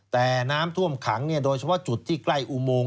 แต่น้ำท่วมขังโดยเฉพาะจุดที่ใกล้อุโมง